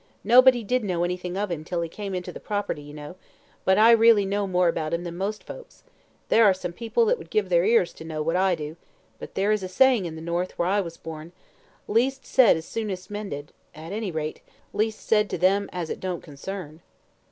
Nobody did know anything of him till he came into the property, you know; but I really know more about him than most folks. There are some people that would give their ears to know what I do; but there is a saying in the north, where I was born, 'Least said is soonest mended;' at any rate, least said to them as it don't concern."